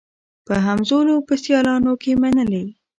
په همزولو په سیالانو کي منلې